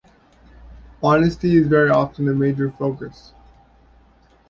Honesty is very often a major focus.